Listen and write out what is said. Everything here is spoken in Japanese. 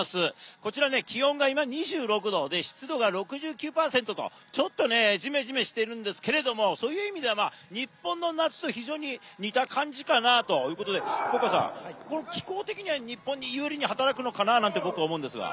こちらね、気温が今２６度で、湿度が６９％と、ちょっとね、ジメジメしているんですけれども、そういう意味では日本の夏と非常に似た感じかなということで、福岡さん、気候的には日本有利に働くのかなと思うんですが。